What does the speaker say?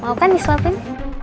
mau kan disuapin